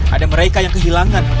ada mereka yang kehilangan